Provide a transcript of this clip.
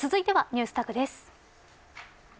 続いてはＮｅｗｓＴａｇです。